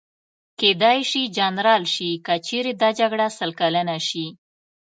کېدای شي جنرال شي، که چېرې دا جګړه سل کلنه شي.